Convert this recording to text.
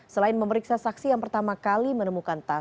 selain memeriksa saksi yang pertama kali menemukan tas